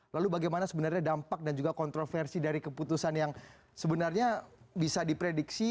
lalu bagaimana sebenarnya dampak dan juga kontroversi dari keputusan yang sebenarnya bisa diprediksi